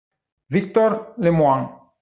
Victor Lemoine